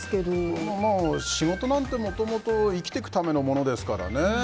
仕事なんてもともと生きてくためのものですからね。